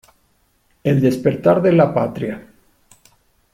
El despertar de la Patria.